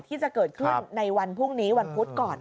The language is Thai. ที่จะเกิดขึ้นในวันพรุ่งนี้วันพุธก่อน